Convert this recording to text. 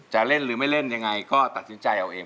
จะเล่นหรือไม่เล่นยังไงก็ตัดสินใจเอาเอง